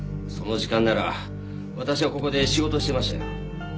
その時間なら私はここで仕事してましたよ。